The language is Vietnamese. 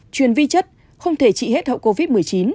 chuyên vi chất không thể trị hết hậu covid một mươi chín